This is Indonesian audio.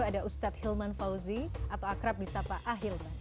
ada ustadz hilman fauzi atau akrab di sapa ahilman